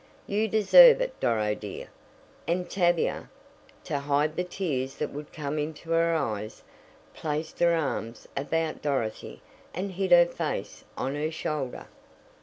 "You deserve it, Doro, dear," and Tavia, to hide the tears that would come into her eyes, placed her arms about Dorothy and hid her face on her shoulder.